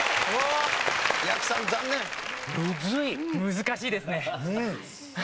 難しいですね。